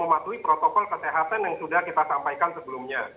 mematuhi protokol kesehatan yang sudah kita sampaikan sebelumnya